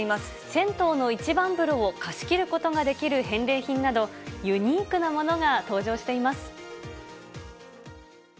銭湯の一番風呂を貸し切ることができる返礼品など、ユニークなものが登場しています。